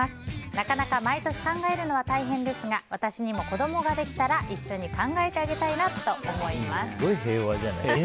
なかなか毎年考えるのは大変ですが私にも子供ができたら一緒にすごい平和じゃない。